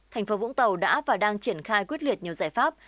tp vũng tàu đã và đang triển khai quyết liệt nhiều giải pháp